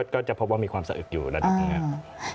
ก็จะพบว่ามีความสะอึกอยู่ระดับนี้ครับ